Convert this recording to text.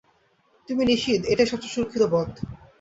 তুমি নিশিত এটাই সবচেয়ে সুরক্ষিত পথ?